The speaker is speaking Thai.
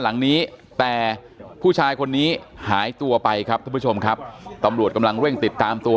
หลังนี้แต่ผู้ชายคนนี้หายตัวไปครับท่านผู้ชมครับตำรวจกำลังเร่งติดตามตัว